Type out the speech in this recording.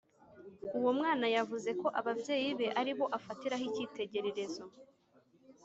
Uwo mwana yavuze ko ababyeyi be aribo afatiraho ikitegererezo